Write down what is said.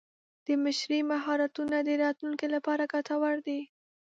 د مشرۍ مهارتونه د راتلونکي لپاره ګټور دي.